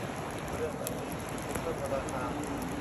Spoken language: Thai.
เรื่องไหนฮิตกูเพิ่มราคา